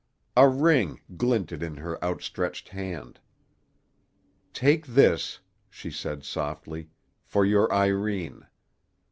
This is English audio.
A ring glinted in her outstretched hand. "Take this," she said softly, "for your Irene.